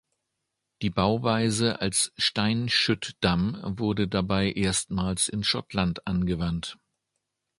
Die Bauweise als Steinschüttdamm wurde dabei erstmals in Schottland angewandt.